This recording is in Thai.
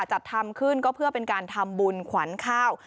จัดทำขึ้นก็เพื่อเป็นการทำบุญขวัญข้าว